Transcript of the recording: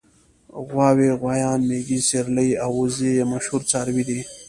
غواوې غوایان مېږې سېرلي او وزې یې مشهور څاروي دي.